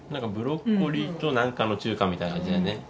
ブロッコリーと何かの中間みたいな味だよね。